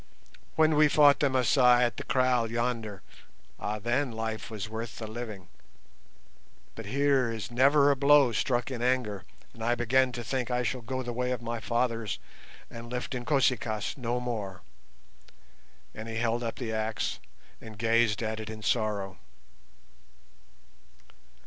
When we fought the Masai at the kraal yonder, ah, then life was worth the living, but here is never a blow struck in anger, and I begin to think I shall go the way of my fathers and lift Inkosi kaas no more," and he held up the axe and gazed at it in sorrow.